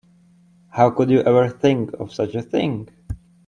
How could you ever think of such a thing?